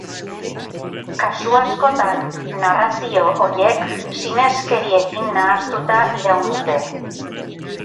Kasu askotan, narrazio horiek sineskeriekin nahastuta iraun dute.